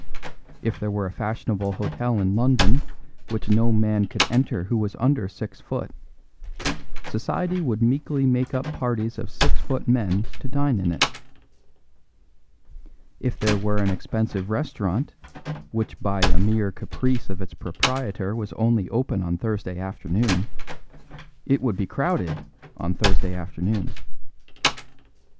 If there were a fashionable hotel in London which no man could enter who was under six foot, society would meekly make up parties of six foot men to dine in it. If there were an expensive restaurant which by a mere caprice of its proprietor was only open on Thursday afternoon, it would be crowded on Thursday afternoon.